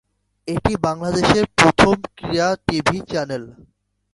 এটি বাংলাদেশের প্রথম ক্রীড়া টিভি চ্যানেল।